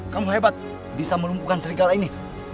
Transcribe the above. kamu hebat bisa melumpuhkan serigala ini